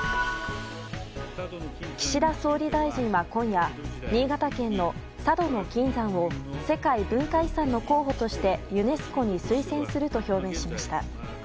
岸田総理大臣は今夜新潟県の佐渡島の金山を世界文化遺産の候補としてユネスコに推薦すると表明しました。